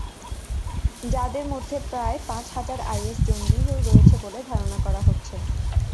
যাদের মধ্যে প্রায় পাঁচ হাজার আইএস জঙ্গিও রয়েছে বলে ধারণা করা হচ্ছে।